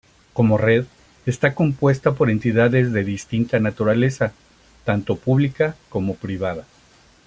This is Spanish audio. Como Red, está compuesta por entidades de distinta naturaleza, tanto pública como privada.